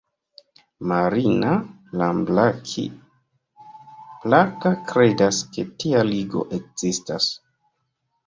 Marina Lambraki-Plaka kredas ke tia ligo ekzistas.